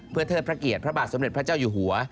เพื่อเทิดพระเกียรติพระบาทสมเด็จพระเจ้าอยู่หัว